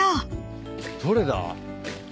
どれだ？